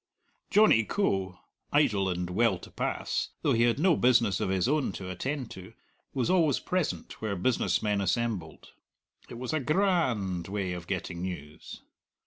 Johnny Coe, idle and well to pass, though he had no business of his own to attend to, was always present where business men assembled. It was a gra and way of getting news.